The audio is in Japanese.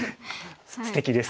すてきです。